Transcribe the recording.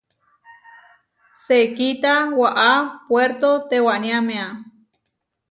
Sekíta waʼá Puérto tewaniámea.